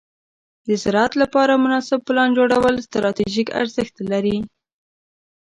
د زراعت لپاره مناسب پلان جوړول ستراتیژیک ارزښت لري.